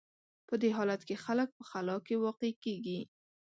په دې حالت کې خلک په خلا کې واقع کېږي.